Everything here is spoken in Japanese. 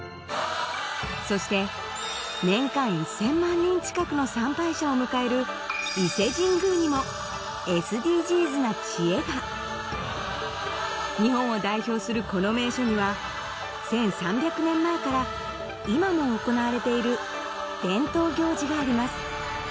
そして年間１０００万人ちかくの参拝者を迎えるにもＳＤＧｓな知恵が日本を代表するこの名所には１３００年前から今も行われている伝統行事があります